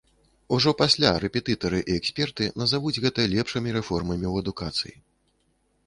Ужо пасля рэпетытары і эксперты назавуць гэта лепшымі рэформамі ў адукацыі.